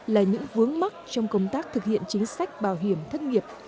là những vướng mắt trong công tác thực hiện chính sách bảo hiểm thất nghiệp